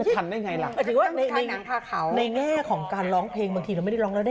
เขาก็ถือว่าเขาแต่งไงร้องเล่นอะศักดิ์ศิลป์ทางบรรยา